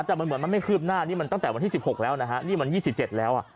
แต่มันเหมือนมันไม่คืบหน้านี่มันตั้งแต่วันที่๑๖แล้วนะฮะนี่มัน๒๗แล้วอ่ะ